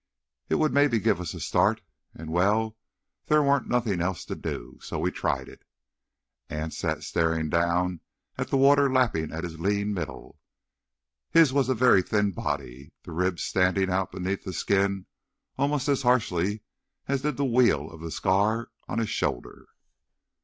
It would maybe give us a start. An'—well, there weren't nothin' else to do. So we tried it." Anse sat staring down at the water lapping at his lean middle. His was a very thin body, the ribs standing out beneath the skin almost as harshly as did the weal of the scar on his shoulder.